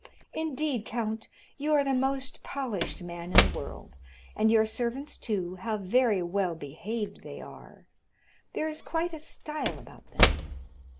Indeed, count, you are the most polished man in the world. And your servants, too, how very well behaved they are; there is quite a style about them.